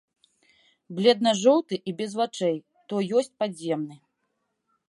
Бледна-жоўты і без вачэй, то ёсць падземны.